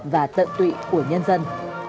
và tận tụy của nhân dân